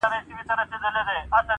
• لا تر څو به دا سړې دا اوږدې شپې وي -